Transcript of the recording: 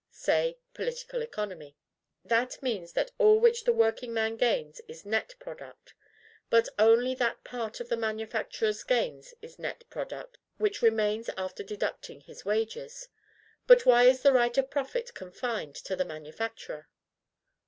"(Say: Political Economy.) That means that all which the workingman gains is NET PRODUCT; but that only that part of the manufacturer's gains is NET PRODUCT, which remains after deducting his wages. But why is the right of profit confined to the manufacturer?